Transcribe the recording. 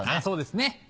そうですね。